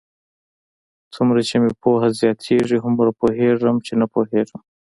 څومره چې مې پوهه زیاتېږي، هومره پوهېږم؛ چې نه پوهېږم.